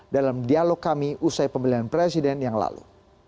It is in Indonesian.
dalam dialog kami usai pemilihan presiden yang lalu